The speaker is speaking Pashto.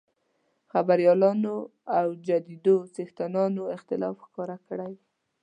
خبریالانو او د جرایدو څښتنانو اختلاف ښکاره کړی وو.